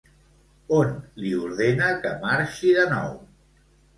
On li ordena que marxi de nou?